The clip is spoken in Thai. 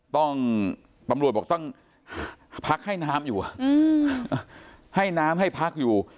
ตำรวจบอกต้องพักให้น้ำอยู่ให้น้ำให้พักอยู่